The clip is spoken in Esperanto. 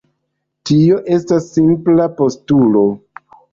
Tio estas simpla postulo.